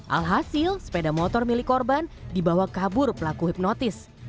alhasil sepeda motor milik korban dibawa kabur pelaku hipnotis